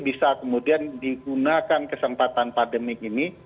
bisa kemudian digunakan kesempatan pandemik ini